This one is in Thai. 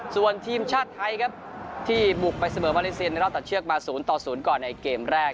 ส่วนทีมชาติไทยครับที่บุกไปเสมอมาเลเซียนในรอบตัดเชือกมา๐ต่อ๐ก่อนในเกมแรก